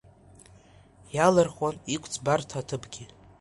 Иалырхуан иқәӡбарҭа аҭыԥгьы.